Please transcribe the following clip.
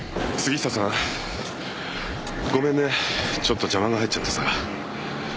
ごめんねちょっと邪魔が入っちゃってさ。